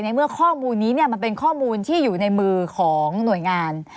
เมื่อข้อมูลนี้มันเป็นข้อมูลที่อยู่ในมือของหน่วยงาน